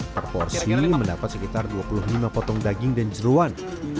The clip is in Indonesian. per porsi mendapat sekitar dua puluh lima potong daging dan jeruan